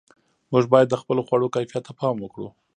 موږ باید د خپلو خوړو کیفیت ته پام وکړو.